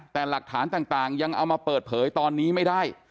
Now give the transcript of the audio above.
แต่หลักฐานต่างยังเอามาเปิดเผยตอนนี้ไม่ได้